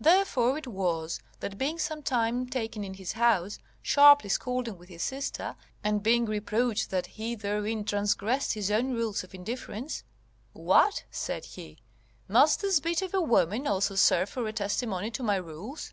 Therefore it was, that being sometime taken in his house sharply scolding with his sister, and being reproached that he therein transgressed his own rules of indifference: "What!" said he, "must this bit of a woman also serve for a testimony to my rules?"